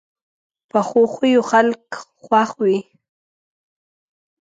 پخو خویو خلک خوښ وي